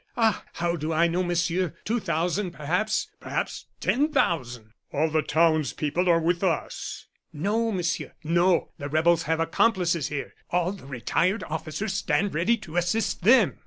"Ah! how do I know, Monsieur? Two thousand, perhaps perhaps ten thousand." "All the towns people are with us." "No, Monsieur, no. The rebels have accomplices here. All the retired officers stand ready to assist them."